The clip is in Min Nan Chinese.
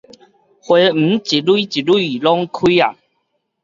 花莓一蕊一蕊攏開矣